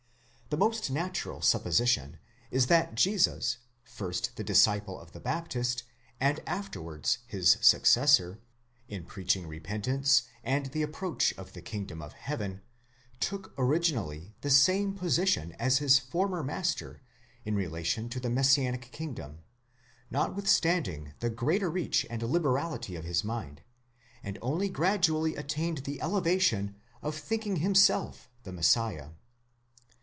The most natural supposition is that Jesus, first the disciple of the Baptist, and afterwards his successor, in preach ing repentance and the approach of the kingdom of heaven, took originally the same position as his former master in relation to the messianic kingdom, notwithstanding the greater reach and liberality of his mind, and only gradu ally attained the elevation of thinking himself the Messiah.